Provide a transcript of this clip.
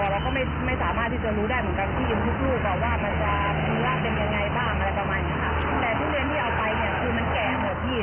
แต่ทุเรียนที่เอาไปเนี่ยคือมันแก่หมดพี่